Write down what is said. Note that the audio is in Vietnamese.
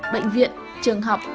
bệnh viện trường học